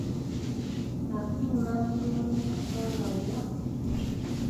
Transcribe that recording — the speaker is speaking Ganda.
Afuluma amunoonyeeko nga wa!